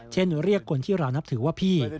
เรียกคนที่เรานับถือว่าพี่